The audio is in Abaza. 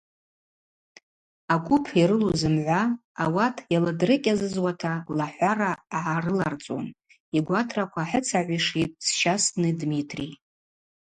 Агвып йрылу зымгӏва ауат йаладрыкӏьазызуата лахӏвара гӏарыларцӏун", – йгватраква хӏыцагӏвишитӏ Счастный Дмитрий.